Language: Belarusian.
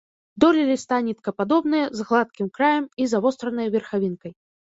Долі ліста ніткападобныя, з гладкім краем і завостранай верхавінкай.